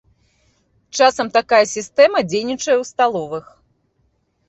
Часам такая сістэма дзейнічае ў сталовых.